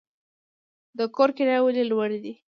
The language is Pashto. د کور کرایې ولې لوړې دي؟